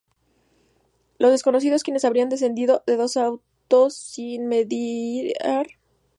Los desconocidos, quienes habrían descendido de dos autos, sin mediar palabra empezaron a dispararles.